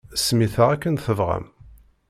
Semmit-aɣ akken tebɣam.